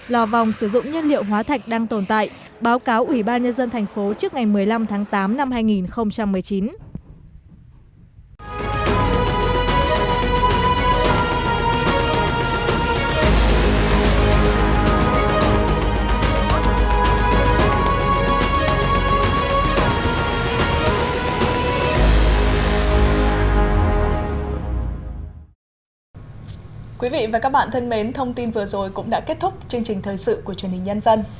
lò vòng sử dụng nhiên liệu hóa thạch đang tồn tại báo cáo ubnd tp hcm trước ngày một mươi năm tháng tám năm hai nghìn một mươi chín